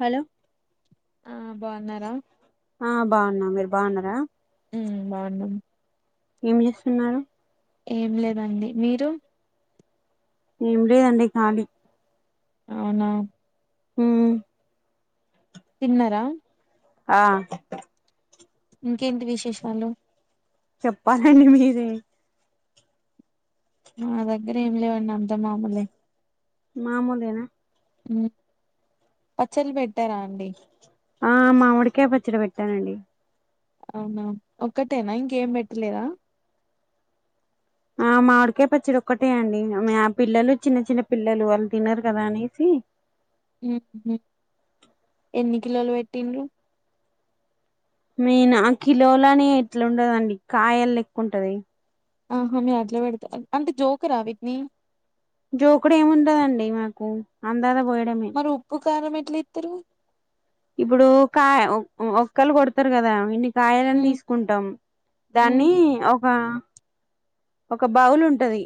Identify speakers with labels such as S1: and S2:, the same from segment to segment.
S1: Hello
S2: ఆ బావున్నరా
S1: ఆ బావున్నా మీరు బాన్నరా
S2: ఉమ్ బావున్నం
S1: ఏమ్ జెస్తున్నారు
S2: ఏం లేదండి మీరు
S1: ఏం లేదండి ఖాళీ
S2: అవునా
S1: హుఊ
S2: తిన్నరా
S1: ఆ
S2: ఇంకేంటి విశేషాలు
S1: చెప్పాలండి మీరే
S2: మా దగ్గరేం లేవండి అంత మామొలె
S1: మామొలేన
S2: ఉమ్ పచ్చళ్లు పెట్టారా అండి
S1: ఆ మామిడికాయ పచ్చడి పెట్టానండి
S2: అవునా ఒక్కటేనా ఇంకేం పెట్టలేదా
S1: ఆ మామిడికాయ పచ్చడి ఒక్కటే అండి మా పిల్లలు చిన్న చిన్న పిల్లలు వాళ్ళు తినరు కదా అనేసి
S2: మ్మ్ హ్మ్ ఎన్ని కిలోలు పెట్టిండ్రు
S1: మేన కిలోలనే ఎట్లుండదండి కాయల్ లెక్కుంటది
S2: ఆహా మీరు అట్ల పెడుతా అంటే జోకరా వీట్ని
S1: జోకుడు ఏముండదండి మనకు అందాల పోయడమే
S2: మరి ఉప్పు కారం ఎట్ల వేత్తరు
S1: ఇప్పుడు కాయ ఒక్కళ్ళు కొడుతారు కదా ఇన్ని కాయలని
S2: ఉమ్
S1: తీసుకుంటాం
S2: ఉమ్
S1: దాన్ని ఒక ఒక బౌల్ ఉంటది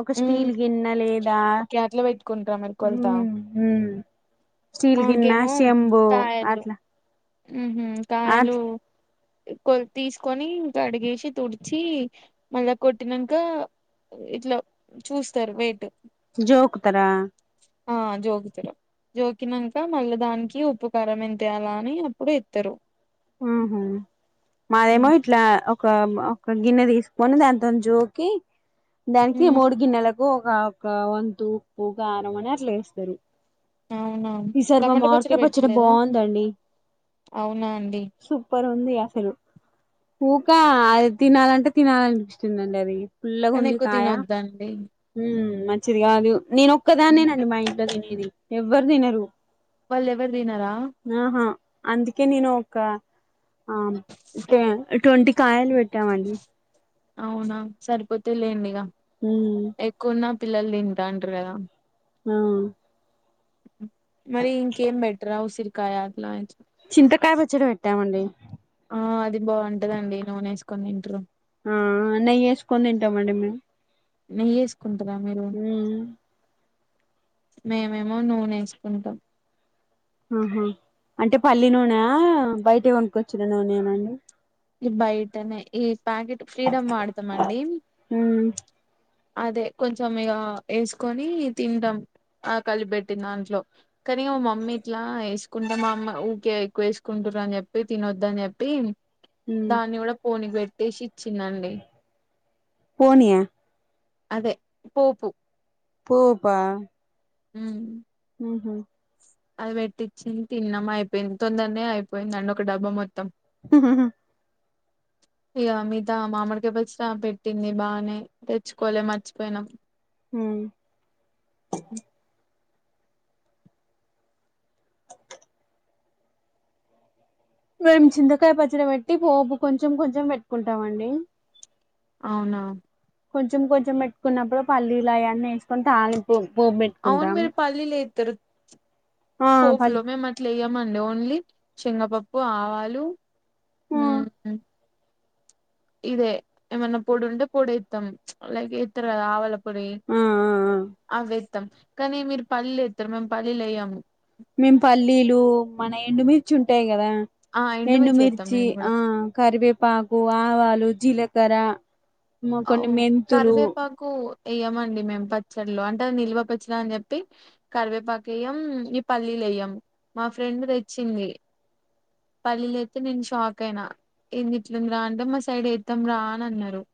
S1: ఒక
S2: ఉమ్
S1: స్టీల్ గిన్నె లేదా
S2: ఓకే అట్లా పెట్టుకుంటారా మీరు కొలత
S1: మ్మ్ హ్మ్ స్టీల్ గిన్నా శెంబూ అట్లా
S2: మ్మ్ హ్మ్
S1: అట్
S2: కాయలు కొల్ తీసుకొని ఇంకడిగేసి తుడిచి మళ్ళా కొట్టినంక ఇట్ల చూస్తారు వెయిట్
S1: జోకుతరా
S2: ఆ జోకుతరు కి నంక మళ్ళ దానికి ఉప్పుకారం ఎంతేయాల అని అప్పుడు ఎత్తారు
S1: మాదేమో ఇట్లా క మ ఒక గిన్నె తీసుకొని దానితోని జోకి దానికి
S2: మ్మ్
S1: మూడు గిన్నెల ఒకగా వంతు ఉప్పు కారం అని అట్ల వేస్తది
S2: అవునా
S1: ఈ సారి మా
S2: టమాటా పచ్చడి
S1: మామిడికాయ పచ్చడ
S2: పెట్టలేదా
S1: బాగుందండి
S2: అవునా అండి
S1: సూప్పర్ ఉంది అసలు ఊకా అది తినాలంటే తినాలనిపిస్తుందండి అది
S2: కానీ
S1: పుల్లగుంది
S2: ఎక్కువ
S1: కాయ
S2: తినొద్దండి
S1: హ్మ్ మంచిది కాదు నేను ఒక్కదాన్నేనండి మా ఇంట్లో తినేది ఎవ్వరు తినరు
S2: వాళ్ళు ఎవ్వరు తినారా
S1: ఆహా అందుకే నేను ఒక్క హా కే ట్వంటీ కాయలు పెట్టామండి
S2: అవునా సరిపోతయ్ లేండి ఇగ
S1: హ్మ్
S2: ఎక్కువున్నా పిల్లలు తింటాంటరు కదా
S1: ఆ
S2: హ్ మరి ఇంకేం పెట్టారా ఉసిరికాయ అట్లాంటి
S1: చింతకాయ పచ్చడ పెట్టామండి
S2: ఆ అది బాగుంటదండి నూనె వేసుకొని తింట్రు
S1: ఆ నెయ్యి వేసుకొని తింటామండి మేము
S2: నెయ్యేసుకుంటరా మీరు
S1: ఉమ్
S2: మేమేమో నూనె వేసుకుంటాం
S1: ఆహా అంటే పల్లీ నూనె బయట కొనుకొచ్చిన నూనేనాండి
S2: ఇ బయటనే ఈ ప్యాకెట్ ఫ్రీడమ్ వాడతాం అండి
S1: మ్మ్
S2: అదే కొంచెం ఇగా వేసుకొని తింటాం ఆ కలిపెట్టి దాంట్లో కని మా మమ్మీ ఇట్లా వేసుకుంటా మా అమ్మ ఊకే ఎక్కువ వేసుకుంటురు అని చెప్పి తినొద్ద అని చెప్పి
S1: ఉమ్
S2: దాన్ని కూడా పోనికి పెట్టేసి ఇచ్చిందండి
S1: పోనీయా
S2: అదే పోపూ
S1: పోపా
S2: ఉమ్
S1: ఊహుమ్
S2: అది పెట్టించింది తిన్నామ అయిపోయింది తొందరనే అయిపోయిందండి ఒక డబ్బా మొత్తం
S1: హూ హూ హ్మ్
S2: ఇక మిగతా మామిడికాయ్ పచ్చడి పెట్టింది బాగానే తెచ్చుకోలే మర్చిపోయినాం
S1: హమ్ మేము చింతకాయ పచ్చడి పెట్టి పోపుు కొంచెం కొంచెం పెట్టుకుంటామండి
S2: అవునా
S1: కొంచెం కొంచెం పెట్టుకున్నప్పుడు పల్లీల అవన్నీ వేసుకొని తాలింపు పోప్
S2: అవును
S1: పెట్టుకుంటాం
S2: మీరు పల్లీలు ఏతరు
S1: ఆ పల్
S2: పోపులో మేము అట్లా వేయమండి ఓన్లీ శనగపప్పు ఆవాలు
S1: ఆ
S2: ఉమ్ ఇదే ఏమన్నా పొడు ఉంటే పొడి ఇస్తాం లైక్ ఎతరు కదా ఆవల పొడి
S1: ఆ ఆ
S2: అవ్వే ఎత్తమ్ కానీ మీరు పళ్లీలు ఏతరు మేము పళ్లీలు వేయ్యాము
S1: మేము పల్లీలు మన ఎండుమిర్చి ఉంటాయి కదా
S2: ఆ ఏత్తం
S1: ఎండుమిర్చి
S2: మేము కూడా
S1: ఆ కరివేప్ పాకు ఆవాలు జీలకర్ర కొన్ని మెంతులు
S2: కు వేయమండి మేము పచ్చళ్లు అంటే అది నిల్వ పచ్చడి అని చెప్పి కరివేపాకు వేయ్యం ఈ పల్లీలు వేయ్యం మా ఫ్రెండ్ తెచ్చింది పల్లీలు వేస్తే నేను షాక్ అయినా ఏంది ఇట్లంది రా అంటే మా సైడ్ వేద్దాం రా అని అన్నారు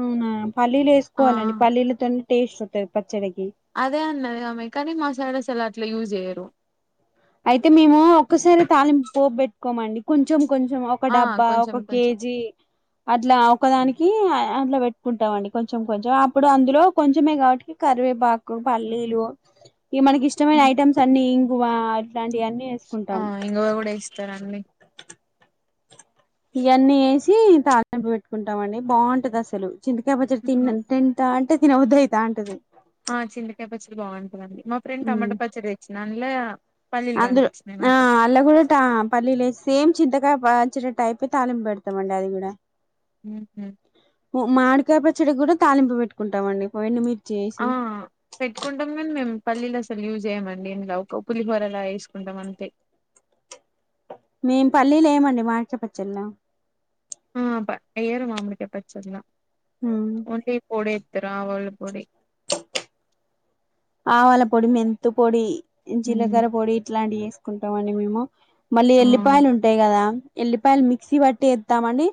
S1: ఉమ్ పల్లీలు
S2: ఆ
S1: వేసుకోవాలండి పల్లీలతోనే టేస్ట్ ఉంటది పచ్చడికి
S2: అదే అన్న దామె కానీ మా సైడ్ అస్సలు అట్లా యూజ్ చేయ్యరు
S1: అయితే మేము ఒక్కసారి తాలింపు పోప్ పెట్టుకోమండీ కొంచెం కొంచెం ఒక
S2: ఆ
S1: డబ్బా
S2: కొంచెం
S1: ఒక
S2: కొంచెం
S1: కేజీ అట్లా ఒకదానికి అట్లా పెట్టుకుంటామండి కొంచెం కొంచెం అప్పుడు అందులో కొంచమే కాబట్టి కరివే పాక్ పల్లీలు ఈ మనకి ఇష్టమైన
S2: ఉమ్.
S1: ఐటెమ్స్ అన్ని ఇంగువ ఇట్లాంటి అన్నీ
S2: ఆ ఇంగవ కూడా ఏస్తారండి
S1: ఇవన్నీ వేసి తాలింపు పెట్టుకుంటాం అండి బాగుంటది అసలు చింతకాయ పచ్చడి తిన్నంత తా అంటే తిన్న బుద్ధి అయితా అంటది
S2: ఆ చింతకాయ పచ్చడి బాగుంటుందండి మా ఫ్రెండ్ టమాటా పచ్చడి తెచ్చింది అందులో పల్లీలు
S1: అందరూ
S2: కనిపించినాయి
S1: ఆ
S2: నాకు
S1: ఆది కూడా పల్లీలు వేసి చింతకాయ పచ్చడి టైప్ తాలింపు పెడతామండి అది కూడా
S2: ఉహుమ్
S1: మామిడికాయ పచ్చడికి కూడా తాలింపు పెట్టుకుంటామండి ఎండి మిర్చి
S2: ఆ పెట్టుకుంటాం కానీ మేము పల్లీలు అసలు యూజ్ చేయ్యమండి ఇలా ఒక పులిహోరలా వేసుకుంటాం అంతే
S1: మేం పల్లీలు ఏయి మండి మామిడి కాయ పచ్చడిలో
S2: ఉమ్ వేయ్యరు మామిడి కాయ పచ్చల ఓన్లీ పొడి ఎతారు ఆ వాళ్ళ పొడి
S1: ఆవల పొడి మెంతు పొడి
S2: ఉమ్.
S1: జీలకర్ర పొడి ఇట్లాంటివి వేసుకుంటామండి మేము మళ్ళీ
S2: ఆ
S1: ఎల్లిపాయలు ఉంటాయి కదా ఎల్లిపాయలు మిక్సీ బట్టి ఎస్తామని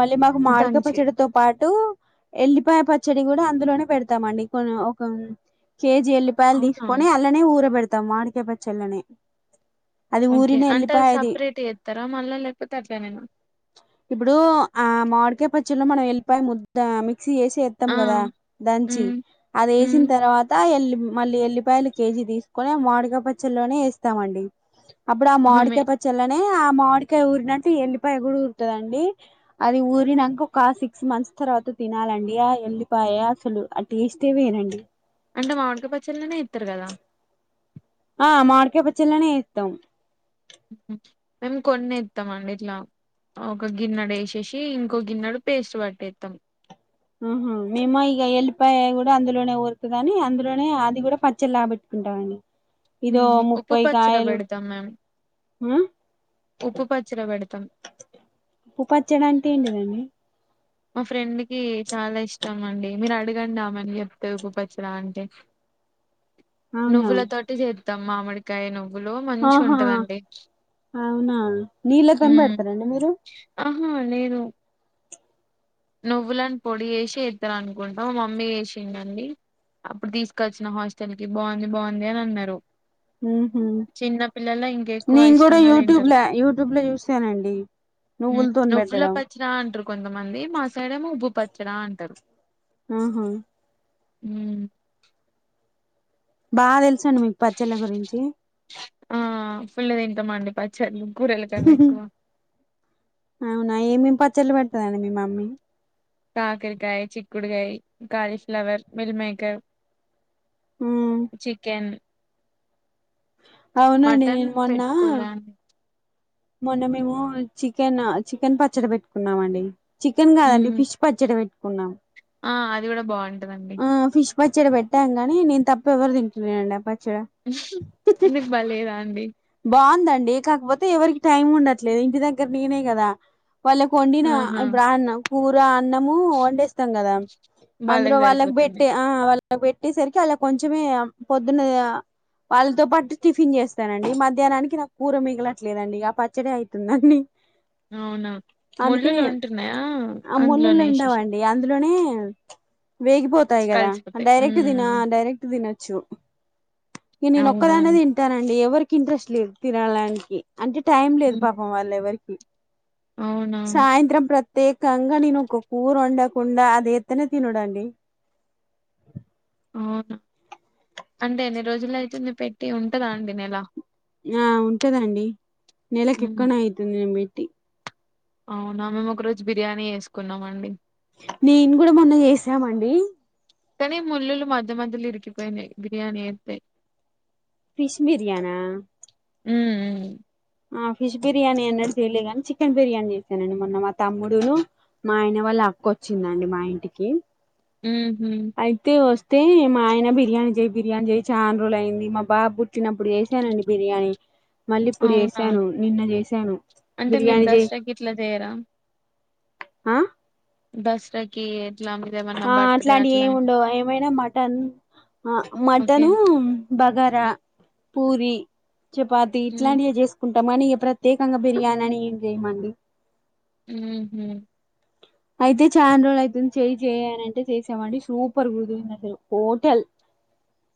S1: మళ్ళీ మాకు మామిడికాయ
S2: దంచి
S1: పచ్చడి తొక్కు పాటు ఎల్లిపాయ పచ్చడి కూడా అందులోనే పెడతామండి ఒక కేజీ ఎల్లిపాయలు
S2: అవునా
S1: తీసుకొని అల్లనే ఊరబెడతాము మాడికాయ పచ్చళ్లనే
S2: ఓకే అంటే అది సపరేట్ చేస్తారా మళ్ళా లేకపోతే అట్ల నేన
S1: ఇప్పుడు ఆ మాడికాయ పచ్చడిలో మనం ఎల్లిపాయ ము ద మిక్సీ వేసి ఎస్తాం
S2: ఆ!
S1: కదా దంచి
S2: హ్మ్.
S1: అది వేసిన
S2: హ్మ్.
S1: తర్వాత ఎల్ మళ్ళీ ఎల్లిపాయలు కేజీ తీసుకొని మామిడికాయ పచ్చలోనే ఎస్తామండి అప్పుడు ఆ
S2: అహా! మే
S1: మామిడికాయ పచ్చడిలోనే ఆ మామిడికాయ ఊరినట్టు ఈ ఎల్లిపాయ కూడా ఊరుతది అండి అది ఊరి నాక ఒక సిక్స్ మంత్స్ తర్వాత తినాలండి ఎళ్ళిపోయా అసలు టెస్ట్ ఏ వేరండి
S2: అంటే మామిడి కాయ పచ్చళ్ళనే ఎస్తారు కదా
S1: ఆ మామిడికాయ పచ్చడిలోనే వేస్తాం
S2: మేము కొన్ని ఎస్తామ అండి ఇట్లా ఒక గిన్నెడు వేసేసి ఇంకో గిన్నెడు పేస్ట్ పట్టేస్తాం
S1: ఆహ మేమ ఇక ఎల్లిపాయ కూడా అందులోనే ఉరతదని అందులోనే అది కూడా పచ్చళ్ళలాగబెట్టుకుంటాంండి
S2: హు హమ్ ఉప్పు పచ్చడి పెడతాం మేము
S1: ఆ
S2: ఉప్పు పచ్చిడ పెడతాం
S1: ఉప్పు పచ్చడా అంటే ఏంటిదండి
S2: మా ఫ్రెండ్ కి చాలా ఇష్టం అండి మీరు అడగండి ఆమెని చెప్తది ఉప్పు పచ్చడ అంటే
S1: అవునా
S2: నువ్వులా తోటి చేత్తాం మామీడి కాయ నువ్వులో మంచి
S1: ఆహా
S2: ఉంటుందండి
S1: అవునా నీళ్ళ తోనీ పెడతారండి మీరు
S2: ఆహా నేను నువ్వులనీ పొడి వేసి ఇద్ద అనుకుంటాం మమ్మీ వేసింధండి అప్పుడు తీసుకొచ్చిన హాస్టల్ కి బాగుంది బాగుంది అని అన్నారు
S1: ఉహు
S2: చిన్న పిల్లలు ఇంక ఎక్కువ
S1: నేను కూడా
S2: ఇష్టంగా
S1: యూట్యూబ్
S2: తింటారు
S1: లో యూట్యూబ్ లో చూసానండి
S2: ఉం
S1: నువ్వులతోని
S2: నువ్వుల
S1: పెట్టడం
S2: పచ్చడా అంటారు కొంతమంది మా సైడు ఏమో ఉప్పు పచ్చడా అంటారు
S1: ఆహా
S2: ఉం
S1: బాగా తెలుస అండి మీకు పచ్చళ్ళ గురించి
S2: ఆ ఫుల్ తింటామండి పచ్చలు కూరల కన్నా ఎక్కువ
S1: అవునా ఏమేమి పచ్చళ్లు పెడతదండి మీ మమ్మీ
S2: కాకరకాయ చిక్కుడుకాయ కాలీఫ్లవర్ మిల్ మేకర్ చికెన్
S1: అవునండి
S2: మటన్
S1: నేను మొన్నా
S2: పెట్టుకోలే అండి
S1: మొన్న మేము చికెన్ చికెన్ పచ్చడి పెట్టుకున్నామ అండి చికెన్ కాదండి
S2: మ్
S1: ఫిష్ పచ్చడి పెట్టుకున్నాం
S2: ఆ అది కూడా బాగుంటదండి
S1: ఆ ఫిష్ పచ్చడి పెట్టానుగాని నేను తప్ప ఎవరు తింటున [unintelligible] ఆ పచ్చడి
S2: మీకు పలేదా అండి
S1: బాగుందండి కాకపోతే ఎవరికి టైం ఉండట్లేదు ఇంటి దగ్గర నేనే కదా వాళ్ళ కొండిన
S2: ఆహా
S1: బ్రా అన్నాం కూర అన్నము వండేస్తాం కదా అందులో వాళ్ళకి పెట్టే ఆ వాళ్ళ అ పెట్టేసరికి అలా కొంచమే పొద్దున్న వాళ్ళతో పాటు టిఫిన్ చేస్తానండి ఈ మధ్యాహ్నానికి నాకు కూర మిగలట్లేదండి ఇక పచ్చడి అయితుందండి
S2: అవునా ముళ్లులు ఉంటున్నాయా
S1: ఆ ముళ్ళులు
S2: అందులోనే విషేష
S1: ఉండవండి అందులోనే వేగిపోతు టాయి కద
S2: కలిసిపోతాయి
S1: డైెరెక్ట్ తిన
S2: మ్
S1: డైరెక్ట్ తినొచ్చు ఇ నేను
S2: అవునా
S1: ఒక్కదాన్నే తింటా
S2: అండి
S1: తింటారండి ఎవరికి ఇంట్రెస్ట్ లేదు తినడానికి అంటే టైం లేదు పాపం వాళ్ళ ఎవరికి
S2: అవునా
S1: సాయంత్రం ప్రతి తేకంగా నేను ఒక కూర వండకుండా అది ఎత్తున తినుడండి.
S2: అవునా అంటే ఎన్ని రోజుల్లో అయితుంది పెట్టి ఉంటుందా అండి నెలా
S1: ఆ ఉంటదండి నెలకి
S2: హ్మ్
S1: ఎక్కువనే అయితుంది నేను బెట్టి
S2: అవునా మేము ఒక రోజు బిర్యానీ చేసుకున్నామండి
S1: నేను కూడా మొన్న చేసామండి.
S2: కానీ ముళ్లులు మధ్య మధ్యలో ఇరికిపోయినాయి బిర్యానీ అయితే
S1: ఫిష్ బిర్యానా
S2: మ్
S1: ఆ ఫిష్ బిర్యానీ అన్నటు చేయలే గాని చికెన్ బిర్యానీ చేసానండి మొన్న మా తమ్ముడు మా ఆయన వాళ్ళ అక్క వచ్చిందండి మా ఇంటికి
S2: ఊహుమ్
S1: అయితే వస్తే మా ఆయన బిర్యానీ చేయి బిర్యానీ చేయి చానా రోజులు అయింది మా బాబు చ్చినప్పుడు చేసానండి బిర్యానీ మళ్ళీ ఇప్పుడు
S2: అవునా
S1: చేసాను నిన్న చేసాను
S2: అంటే మీరు
S1: బిర్యానీ చై
S2: దసరాకి ఇట్లా చేయరా
S1: ఆ
S2: దసరాకి ఎట్లా మరి
S1: ఆ అట్లాంటివి ఏమి ఉండవు ఏమైనా మటన్ ఆ
S2: ఓకే
S1: మటను బగారా పూరి చపాతి
S2: హ్మ్
S1: ఇట్లాంటివి చేసు కుంటామని ప్రత్యేకంగా బిర్యానీ అని ఏం చేయమండి.
S2: ఊహు
S1: అయితే చానరోజులు అయితుంది చెయి చేయనంటే చేసామండి సూపర్ కుదిరింది అసలు టోటల్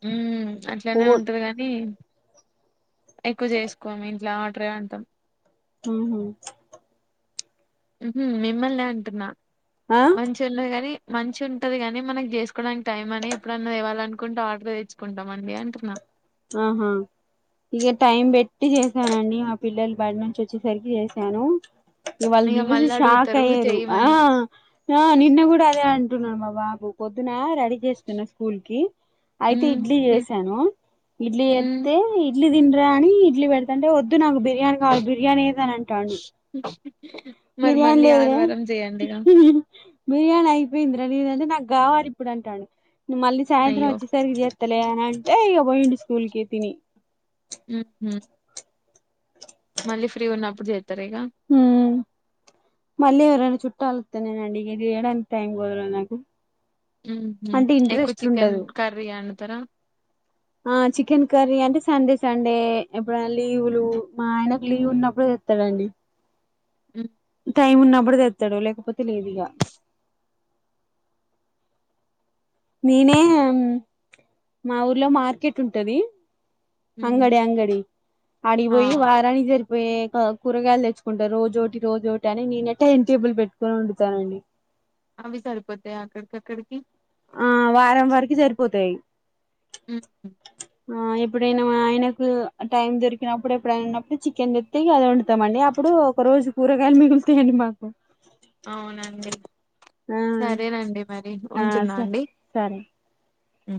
S2: హ్మ్ అట్లానే ఉంటది గానీ ఎక్కువ చేసుకోము ఇంట్లో ఆడరే అంటాం
S1: ఆహ
S2: ఉహు మిమ్మల్నే అంటున్నా
S1: ఆ
S2: మంచి తిన్లే గాని మంచి ఉంటది గాని మనకి చేసుకోవడానికి టైం అని ఎప్పుడన్నా ఇవాలనుకుంట ఆర్డర్ తెచ్చు కుంటామండి అంటున్నా
S1: ఆహా ఇక టైం పెట్టి చేశానండి మా పిల్లలు బడి నుంచి వచ్చేసరికి చేశాను. ను వాళ్ళు
S2: ఇగ
S1: చూసి
S2: మళ్ళీ
S1: షాక్
S2: అడుగుతరు
S1: అయ్యారు ఆ
S2: చేయమని.
S1: ఆ నిన్న కూడా అదే అంటున్నాడు మా బాబు పొద్దున రెడీ చేస్తున్నా స్కూల్ కి అయితే
S2: హ్మ్
S1: ఇడ్లీ చేసాను ఇడ్లీ
S2: హ్మ్
S1: చేతే ఇడ్లీ తిండరా అని ఇడ్లీ పెడతంటే వద్దు నాకు బిర్యానీ కావాలి బిర్యానీ ఏద అనంటే
S2: మరి
S1: బిర్యానీ
S2: మళ్ళీ
S1: లేదుర
S2: ఆదివారం చేయండి ఇగ.
S1: బిర్యానీ అయిపోయింది ర లేదంటే నాకు కావాలి ఇప్పుడు అంటాడు నువు మళ్ళీ సాయంత్రం
S2: అయ్యో
S1: వచ్చేసరికి చేస్తా స్తలే అనంటే ఇగ పోయిండు స్కూల్కి తిని
S2: ఓహో మళ్ళీ ఫ్రీ ఉన్నప్పుడు జేత్తర ఇగా
S1: మళ్లీ ఎవరైనా చుట్టాలు వత్తేనే నండి వేయడానికి టైం కూడా ఉండదు నాకు
S2: ఉహు
S1: అంటే
S2: ఎక్కువ
S1: ఇంట్రెస్ట్
S2: చికెన్
S1: ఉండదు
S2: కర్రీ వండుతారా
S1: ఆ చికెన్ కర్రీ అంటే సండే సండే ఎప్పుడైనా లీవులు మా ఆయనకు లీవ్ ఉన్నప్పుడు తెత్తడండి టైం ఉన్నప్పుడు తెత్తడు లేకపోతే లేదు ఇగ నేనే మా ఊర్లో మార్కెట్ ఉంటది
S2: హుహ్
S1: అంగడి అంగడి
S2: ఆ
S1: ఆడిపోయి వారని జరి పోయి కూరగాయలు తెచ్చుకుంటారు రోజోటి రోజోటి అని నేనే టైమ్ టేబుల్ పెట్టుకొని వండుతానండి
S2: అవి సరిపోతాయ అక్కడికక్కడికి
S1: ఆ వారం వరకు సరిపోతాయి
S2: ఉమ్
S1: ఆ ఎప్పుడైనా ఆయనకు టైం దొరికినప్పుడు ఎప్పుడైన ఉన్నప్పుడు చికెన్ ఇగ అది వండుతామండి అప్పుడు ఒక రోజు కూరగాయలు మిగుతాయండి మాకు
S2: అవునండి
S1: ఆ
S2: సరేనండి మరి
S1: ఆ
S2: ఉంటున్న
S1: స
S2: అండి
S1: సరే
S2: అ